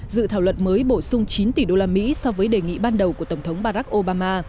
dự thảo luật mới bổ sung chín tỷ đô la mỹ so với đề nghị ban đầu của tổng thống barack obama